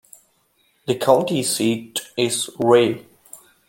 The county seat is Wray.